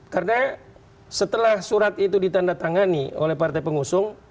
karena setelah surat itu ditandatangani oleh partai pengusung